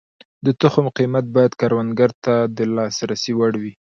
د تخم قیمت باید کروندګر ته د لاسرسي وړ وي.